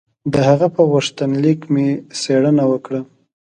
د هغه په غوښتنلیک مې څېړنه وکړه.